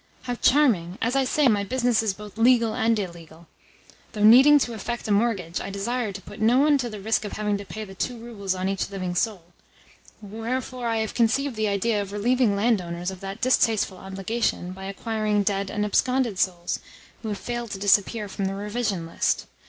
"How charming! As I say, my business is both legal and illegal. Though needing to effect a mortgage, I desire to put no one to the risk of having to pay the two roubles on each living soul; wherefore I have conceived the idea of relieving landowners of that distasteful obligation by acquiring dead and absconded souls who have failed to disappear from the revision list.